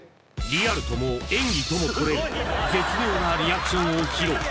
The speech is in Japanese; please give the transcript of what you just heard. リアルとも演技ともとれる絶妙なリアクションを披露！